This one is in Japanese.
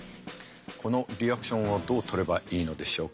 このリアクションをどうとればいいのでしょうか。